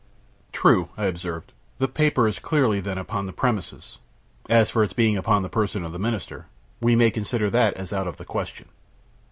"True," I observed; "the paper is clearly, then, upon the premises. As for its being upon the person of the Minister, we may consider that as out of the question."